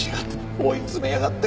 追い詰めやがって！